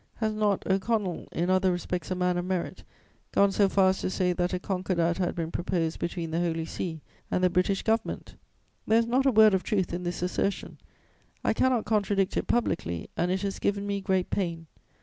Has not O'Connell, in other respects a man of merit, gone so far as to say that a concordat had been proposed between the Holy See and the British Government? There is not a word of truth in this assertion; I cannot contradict it publicly; and it has given me great pain.